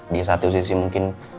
di satu sisi mungkin